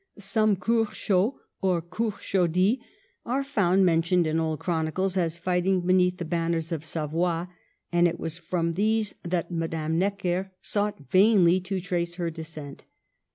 Some Curchods or Curchodis are found mentioned in old chroni cles as fighting beneath the banners of Savoy, and it was from these that Madame Necker sought vainly to trace her descent.